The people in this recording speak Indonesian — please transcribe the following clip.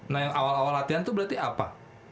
nah yang awal awal latihan itu berarti apa